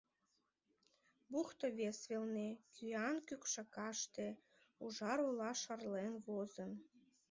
Бухто вес велне, кӱан кӱкшакаште, ужар ола шарлен возын.